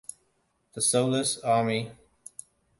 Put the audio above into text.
The Soulless Army.